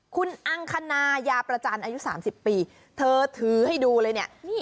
คุณอังคณายาประจันทร์อายุ๓๐ปีเธอถือให้ดูเลยเนี่ย